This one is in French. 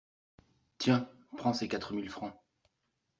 Tiens, prends ces quatre mille francs.